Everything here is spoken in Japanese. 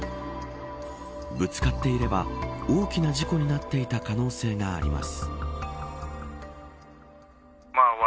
ぶつかっていれば大きな事故になっていた可能性があります。